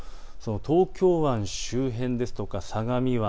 東京湾周辺ですとか相模湾